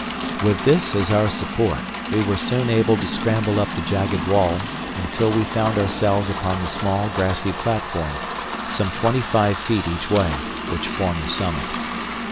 With this as our support, we were soon able to scramble up the jagged wall until we found ourselves upon the small grassy platform, some twenty five feet each way, which formed the summit.